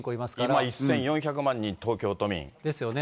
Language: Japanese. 今、１４００万人、ですよね。